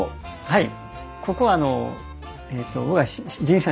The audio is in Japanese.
はい。